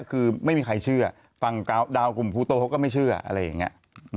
คือไม่มีใครเชื่อฟังดาวกลุ่มภูโต้เขาก็ไม่เชื่ออะไรอย่างนี้